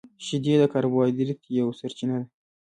• شیدې د کاربوهایډریټ یوه سرچینه ده.